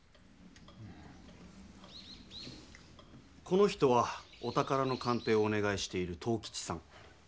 この人はお宝の鑑定をおねがいしている藤吉さん。